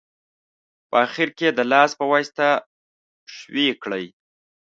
په اخیر کې یې د لاس په واسطه ښوي کړئ.